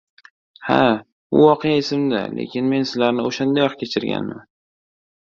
– Ha, u voqea esimda. Lekin men sizlarni oʻshandayoq kechirganman.